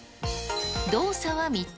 動作は３つ。